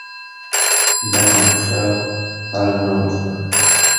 بەڵام شەڕ هەر نەوەستا